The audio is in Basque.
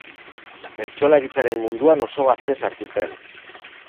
Bertsolaritzaren munduan oso gazte sartu zen.